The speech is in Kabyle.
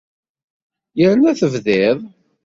Yerna tebdiḍ.